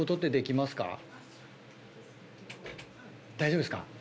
大丈夫ですか？